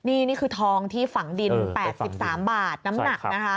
นี่คือทองที่ฝังดิน๘๓บาทน้ำหนักนะคะ